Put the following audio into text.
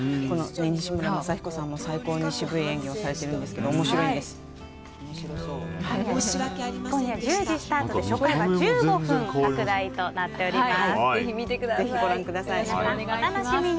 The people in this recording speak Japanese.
西村まさ彦さんも最高に渋い演技をされているんですが今夜１０時スタートで初回は１５分拡大となっています。